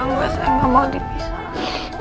enggak saya gak mau dipisah